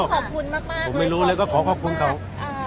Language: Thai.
ขอขอบคุณมากขอขอบคุณมาก